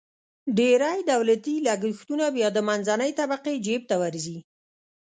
ډېری دولتي لګښتونه بیا د منځنۍ طبقې جیب ته ورځي.